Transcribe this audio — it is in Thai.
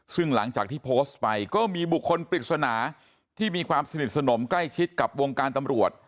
ซึ่งหลังจากที่โพสต์ไปก็มีบุคคลปริศนาที่มีความสนิทสนมใกล้ชิดกับวงการตำรวจ